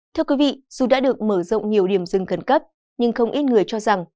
thưa quý vị dù đã được mở rộng nhiều điểm rừng cẩn cấp nhưng không ít người cho rằng